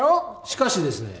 しかしですね